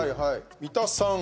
三田さん。